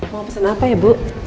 mau pesan apa ya bu